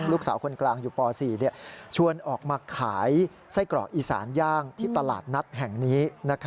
ลูกสาวคนกลางอยู่ป๔ชวนออกมาขายไส้กรอกอีสานย่างที่ตลาดนัดแห่งนี้